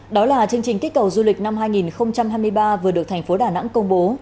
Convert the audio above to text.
đó là chương trình kích cầu du lịch năm hai nghìn hai mươi ba vừa được thành phố đà nẵng công bố